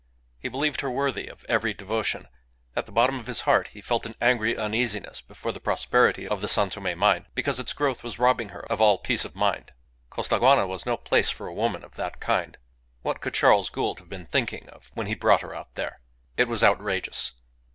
He believed her worthy of every devotion. At the bottom of his heart he felt an angry uneasiness before the prosperity of the San Tome mine, because its growth was robbing her of all peace of mind. Costaguana was no place for a woman of that kind. What could Charles Gould have been thinking of when he brought her out there! It was outrageous!